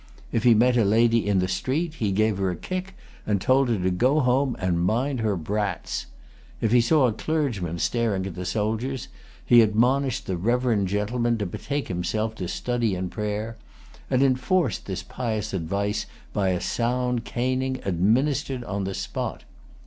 If he met a lady in the street, he gave her a kick, and told her to go home and mind her brats. If he saw a clergyman staring at the soldiers, he admonished the reverend gentleman to betake himself to study and prayer, and enforced this pious advice by a sound caning, administered on the spot.